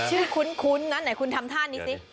ชื่อคุ้นไหนคุณทำท่านี้ซิ